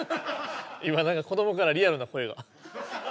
今なんか子どもからリアルな声が。